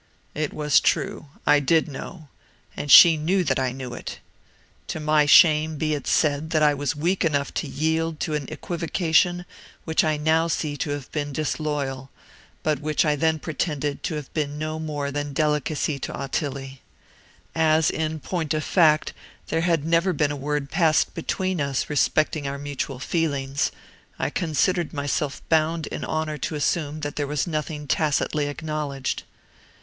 "It was true; I did know; and she knew that I knew it. To my shame be it said that I was weak enough to yield to an equivocation which I now see to have been disloyal, but which I then pretended to have been no more than delicacy to Ottilie. As, in point of fact, there had never been a word passed between us respecting our mutual feelings, I considered myself bound in honor to assume that there was nothing tacitly acknowledged.